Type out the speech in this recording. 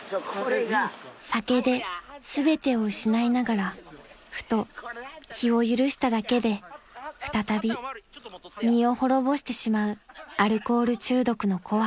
［酒で全てを失いながらふと気を許しただけで再び身を滅ぼしてしまうアルコール中毒の怖さ］